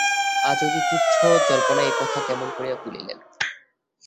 আজ অতি তুচ্ছ জল্পনায় এ কথা কেমন করিয়া ভুলিলেন!